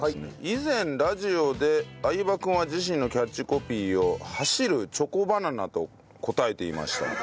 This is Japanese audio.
以前ラジオで相葉君は自身のキャッチコピーを「走るチョコバナナ」と答えていました。